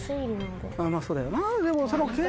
まぁそうだよな。